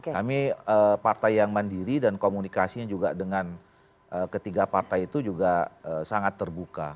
kami partai yang mandiri dan komunikasinya juga dengan ketiga partai itu juga sangat terbuka